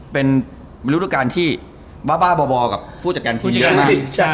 เป็นรูปตัวการที่บ้าบ่อกับผู้จัดการทีเยอะมาก